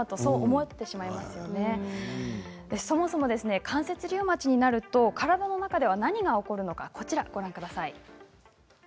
そもそも関節リウマチになると体の中では何が起こるのかご覧ください。